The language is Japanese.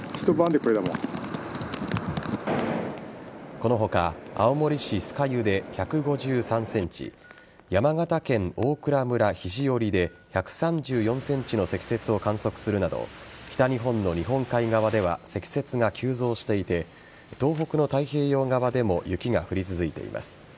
この他、青森市酸ケ湯で１５３ｃｍ山形県大蔵村肘折で１３４ｃｍの積雪を観測するなど北日本の日本海側では積雪が急増していて東北の太平洋側でも雪が降り続いています。